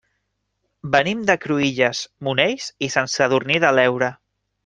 Venim de Cruïlles, Monells i Sant Sadurní de l'Heura.